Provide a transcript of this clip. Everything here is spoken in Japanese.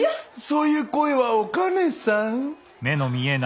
そういう声はおかねさん？